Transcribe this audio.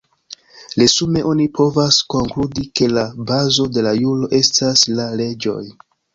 Resume oni povas konkludi ke la bazo de juro estas la leĝoj.